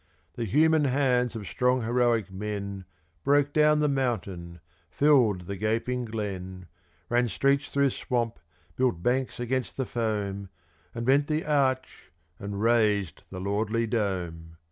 The human hands of strong, heroic men Broke down the mountain, filled the gaping glen, Ran streets through swamp, built banks against the foam, And bent the arch and raised the lordly dome!